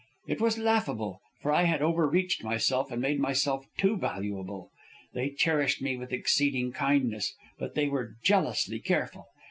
It was laughable, for I had over reached myself and made myself too valuable. They cherished me with exceeding kindness, but they were jealously careful.